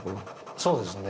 そうですね。